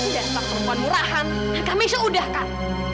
dan sebab perempuan murahan mereka mesya udah kan